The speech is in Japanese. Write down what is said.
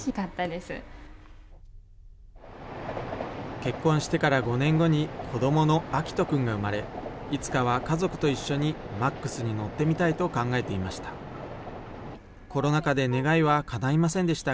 結婚してから５年後に、子どもの亮人くんが産まれ、いつかは家族と一緒にＭａｘに乗ってみたいと考えていました。